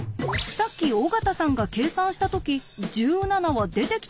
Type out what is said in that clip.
さっき尾形さんが計算した時１７は出てきたって？